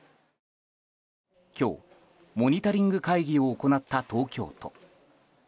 今日、モニタリング会議を行った東京都。